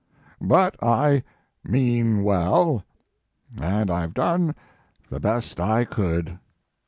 But I mean well, and I ve done the best I could."